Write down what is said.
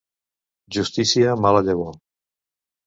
Justícia, mala llavor.